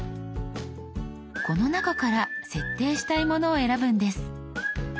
この中から設定したいものを選ぶんです。